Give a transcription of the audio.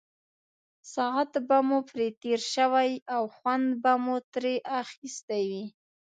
ساعت به مو پرې تېر شوی او خوند به مو ترې اخیستی وي.